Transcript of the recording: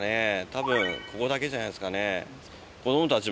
多分ここだけじゃないですかね。